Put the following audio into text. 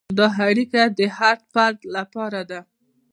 دا اړیکه د هر فرد لپاره ده.